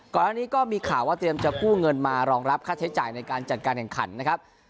ก่อนอันนี้ก็มีข่าวว่าเตรียมจะกู้เงินมารองรับค่าใช้จ่ายในการจัดการแข่งขันนะครับ